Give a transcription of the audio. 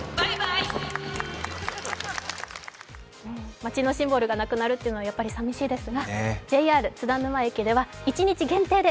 街のシンボルがなくなるのはやっぱり寂しいですが、ＪＲ津田沼駅では一日限定で